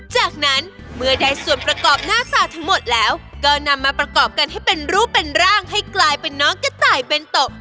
จากนั้นเมื่อได้ส่วนประกอบหน้าสาทั้งหมดแล้วก็นำมาประกอบกันให้เป็นรูปเป็นร่างให้กลายเป็นน้องกระต่ายเป็นตก